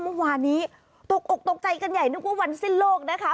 เมื่อวานนี้ตกอกตกใจกันใหญ่นึกว่าวันสิ้นโลกนะคะ